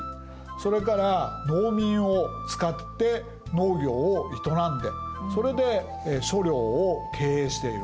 それから農民を使って農業を営んでそれで所領を経営している。